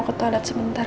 aku mau ke toilet sebentar